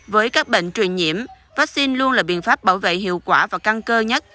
với các bệnh truyền nhiễm vaccine luôn là biện pháp bảo vệ hiệu quả và căng cơ nhất